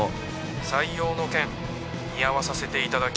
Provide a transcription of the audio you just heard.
☎採用の件見合わさせていただきます。